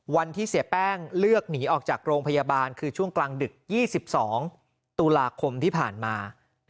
วันที่เสียแป้งเลือกหนีออกจากโรงพยาบาลคือช่วงกลางดึก๒๒ตุลาคมที่ผ่านมา